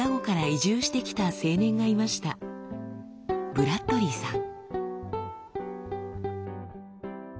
ブラッドリーさん。